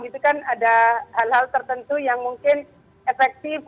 itu kan ada hal hal tertentu yang mungkin efektif